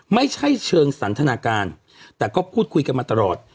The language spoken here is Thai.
ไม่ใช่เชิงสันทนาการแต่ก็พูดคุยกันมาตลอด